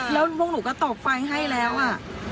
แล้วพวกหนูก็ตบไฟให้แล้วอ่ะ